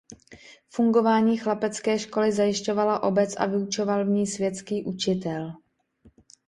Fungování chlapecké školy zajišťovala obec a vyučoval v ní světský učitel.